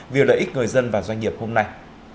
việc đợi ích người dân và doanh nghiệp hôm nay